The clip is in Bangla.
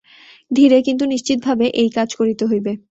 ধীরে, কিন্তু নিশ্চিতভাবে এই কাজ করিতে হইবে।